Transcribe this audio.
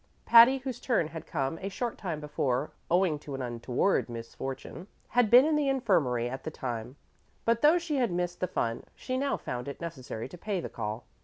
Patty, whose turn had come a short time before, owing to an untoward misfortune, had been in the infirmary at the time; but, though she had missed the fun, she now found it necessary to pay the call.